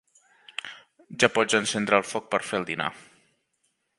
Ja pots encendre el foc per fer el dinar.